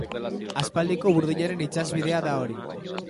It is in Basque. Aspaldiko burdinaren itsasbidea da hori.